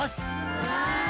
うわ。